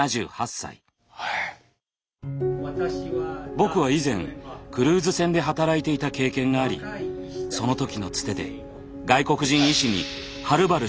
僕は以前クルーズ船で働いていた経験がありその時のつてで外国人医師にはるばる志摩まで来てもらったのだ。